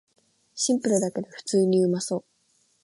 シンプルだけど普通にうまそう